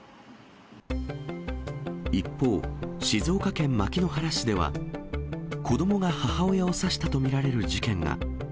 一方、静岡県牧之原市では、子どもが母親を刺したと見られる事件が。